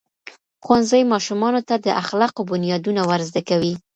ښوونځی ماشومانو ته د اخلاقو بنیادونه ورزده کوي.